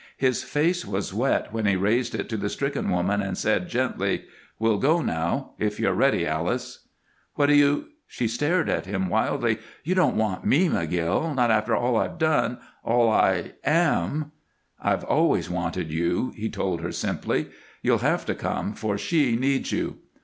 His face was wet when he raised it to the stricken woman and said, gently, "We'll go now, if you're ready, Alice." "What do you ?" She stared at him wildly. "You don't want me, McGill; not after all I've done, all I am?" "I've always wanted you," he told her, simply. "You'll have to come, for she needs you."